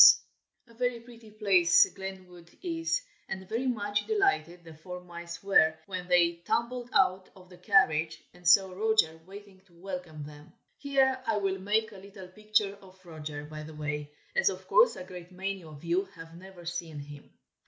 A very pretty place Glenwood is, and very much delighted the four mice were, when they tumbled out of the carriage, and saw Roger waiting to welcome them. Here I will make a little picture of Roger, by the way, as of course a great many of you have never seen him.